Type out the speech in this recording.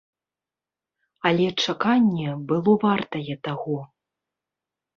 Але чаканне было вартае таго.